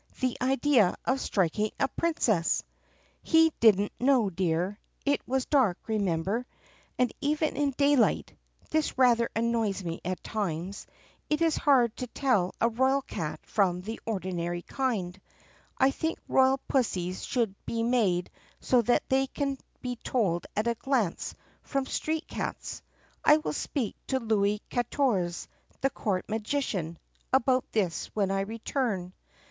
The idea of striking a princess!" "He did n't know, dear. It was dark, remember. And even THE PUSSYCAT PRINCESS 29 in daylight (this rather annoys me at times) it is hard to tell a royal cat from the ordinary kind. I think royal pussies should be made so that they can be told at a glance from street cats. I will speak to Louis Katorze, the court magician, about this when I return."